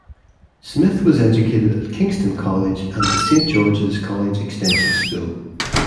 Smith was educated at Kingston College and the Saint George's College Extension School.